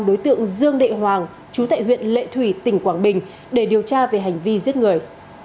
đối tượng dương đệ hoàng chú tại huyện lệ thủy tỉnh quảng bình để điều tra về hành vi giết người